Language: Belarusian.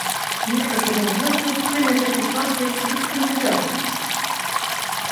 Нехта ж адназначна ўспрыме гэты факт як плюс кандыдата!